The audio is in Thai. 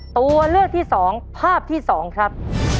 ตัวเลือกที่สองภาพที่สองครับ